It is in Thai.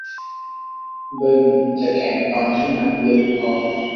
บึงจะแข็งตอนที่มันเย็นพอ